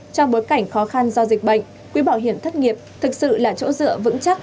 trong bối cảnh khó khăn do dịch bệnh quỹ bảo hiểm thất nghiệp thực sự là chỗ dựa vững chắc